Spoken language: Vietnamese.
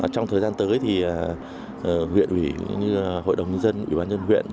trong thời gian tới thì huyện hội đồng dân ủy ban dân huyện